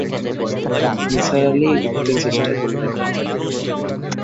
নিসার আলি উঠতে চেষ্টা করলেন।